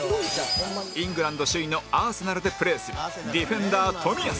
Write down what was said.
イングランド首位のアーセナルでプレーするディフェンダー冨安